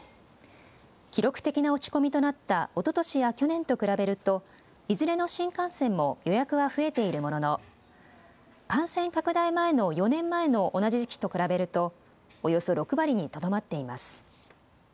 記録的な落ち込みとなったおととしや去年と比べるといずれの新幹線も予約は増えているものの感染拡大前の４年前の同じ時期と比べるとおよそ６割にとどまっています。